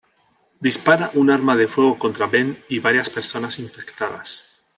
Dispara un arma de fuego contra Ben y varias personas infectadas.